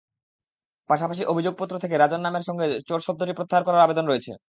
পাশাপাশি অভিযোগপত্র থেকে রাজন নামের সঙ্গে চোর শব্দটি প্রত্যাহার করারও আবেদন রয়েছে।